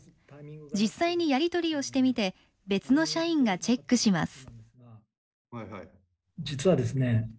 実際にやり取りをしてみて別の社員がチェックします。